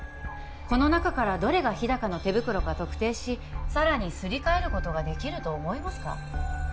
この中からどれが日高の手袋か特定しさらにすり替えることができると思いますか？